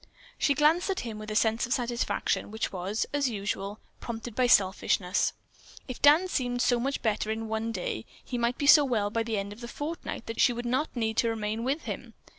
She glanced at him with a sense of satisfaction, which was, as usual, prompted by selfishness. If Dan seemed so much better in one day, he might be so well by the end of a fortnight that she would not need to remain with him.